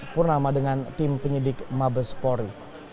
purnama dengan tim penyidik mabespori